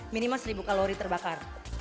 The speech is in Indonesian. minimal seribu kalori terbakar